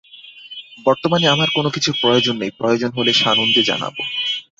বর্তমানে আমার কোন কিছুর প্রয়োজন নেই, প্রয়োজন হলে সানন্দে জানাব।